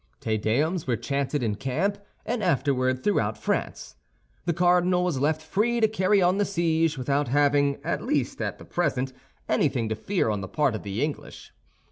Te Deums were chanted in camp, and afterward throughout France. The cardinal was left free to carry on the siege, without having, at least at the present, anything to fear on the part of the English.